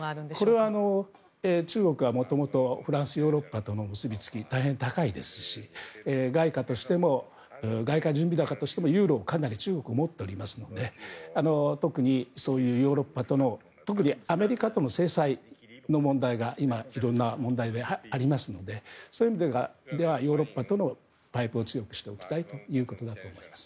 これは、中国は元々フランス、ヨーロッパとの結びつき大変高いですし外貨準備高としてもユーロを中国が持っていますので特に、そういうヨーロッパとの特にアメリカの制裁の問題が今、色んな問題でありますのでそういう意味ではヨーロッパとのパイプを強くしたいということだと思います。